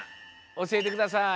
おしえてください！